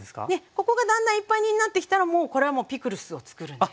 ここがだんだんいっぱいになってきたらもうこれはピクルスをつくるんですよ。